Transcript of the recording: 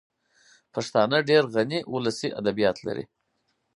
پښتانه ډېر غني ولسي ادبیات لري